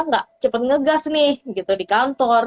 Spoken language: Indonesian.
nggak cepet ngegas nih gitu di kantor